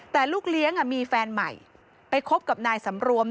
แต่ลูกเลี้ยงมีแฟนใหม่ไปคบกับนายสำรวม